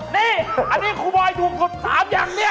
นี่อันนี้ครูบอยดูถูก๑๓อย่างเนี่ย